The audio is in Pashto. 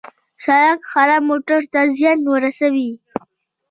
سړک خراب موټر ته زیان رسوي.